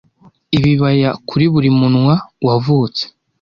Ibibaya kuri buri munwa wavutse